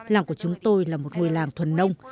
làng của chúng tôi là một ngôi làng thuần nông